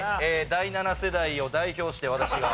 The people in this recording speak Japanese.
第七世代を代表して私が。